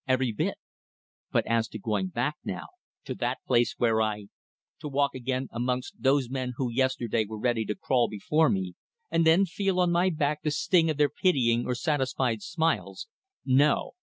Every bit. But as to going back now, to that place where I ... To walk again amongst those men who yesterday were ready to crawl before me, and then feel on my back the sting of their pitying or satisfied smiles no!